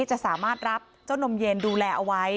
จะสามารถรับเจ้านมเย็นดูแลเอาไว้